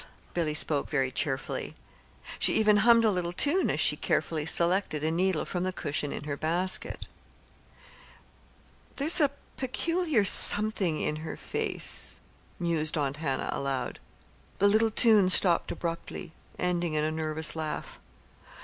Billy spoke very cheerfully. She even hummed a little tune as she carefully selected a needle from the cushion in her basket. "There's a peculiar something in her face," mused Aunt Hannah, aloud. The little tune stopped abruptly, ending in a nervous laugh.